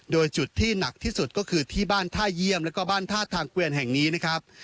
โดยจุดที่หนักที่สุดก็คือที่บ้านท่าเยี่ยมแล้วก็บ้านท่าทางเกวียนแห่งนี้นะครับ